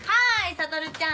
悟ちゃん